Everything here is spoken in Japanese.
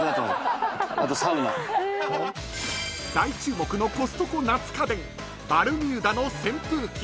［大注目のコストコ夏家電バルミューダの扇風機］